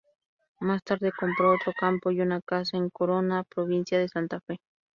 Más tarde compró otro campo y una casa en Coronda, provincia de Santa Fe.